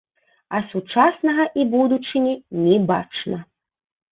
А сучаснага і будучыні не бачна.